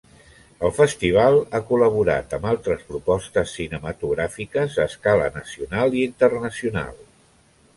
El festival ha col·laborat amb altres propostes cinematogràfiques a escala nacional i internacional.